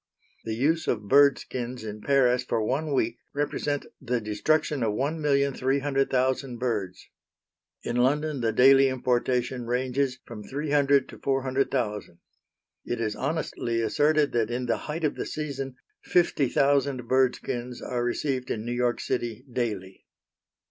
The use of bird skins in Paris for one week represent the destruction of one million three hundred thousand birds; in London the daily importation ranges from three hundred to four hundred thousand. It is honestly asserted that, in the height of the season, fifty thousand bird skins are received in New York City daily.